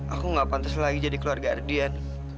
aku gak pantas lagi jadi keluarga ardian